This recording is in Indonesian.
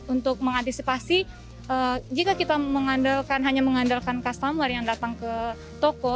untuk mengantisipasi jika kita hanya mengandalkan customer yang datang ke toko